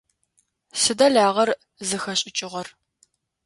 Сыда лагъэр зыхэшӏыкӏыгъэр?